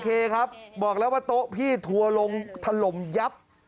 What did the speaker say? เคครับบอกแล้วว่าโต๊ะพี่ทัวร์ลงถล่มยับ